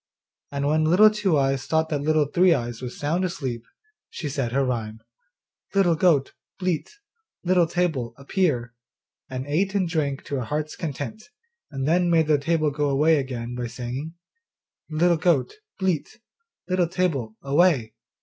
And when Little Two eyes thought that Little Three eyes was sound asleep, she said her rhyme, 'Little goat, bleat, Little table, appear,' and ate and drank to her heart's content, and then made the table go away again, by saying, 'Little goat, bleat, Little table, away.